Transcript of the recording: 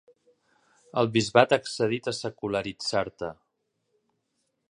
El bisbat ha accedit a secularitzar-te.